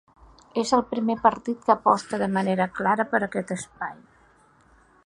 És el primer partit que aposta de manera clara per aquest espai.